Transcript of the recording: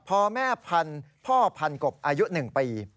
พ่อแม่พันธุ์พ่อพันกบอายุ๑ปี